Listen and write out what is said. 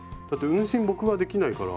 運針僕はできないから。